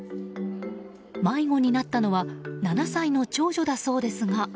迷子になったのは７歳の長女だそうですが。